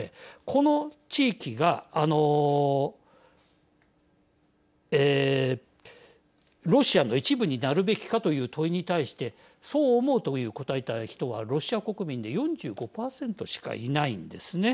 この地域がロシアの一部になるべきかという問いに対してそう思うという答えた人はロシア国民で４５％しかいないんですね。